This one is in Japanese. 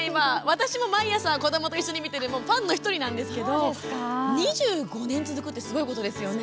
私も毎朝子どもと一緒に見ているファンの１人なんですけれども２５年続くってすごいことですよね。